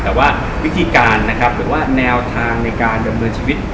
แต่ว่าวิธีการนะครับหรือว่าแนวทางในการดำเนินชีวิต